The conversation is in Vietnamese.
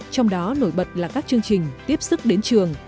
trong đó nổi bật là các chương trình tiếp sức đến trường